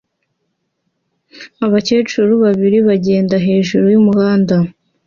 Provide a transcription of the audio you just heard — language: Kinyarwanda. Abakecuru babiri bagenda hejuru y'umuhanda